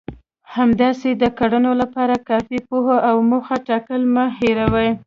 همداسې د کړنو لپاره کافي پوهه او موخه ټاکل مه هېروئ.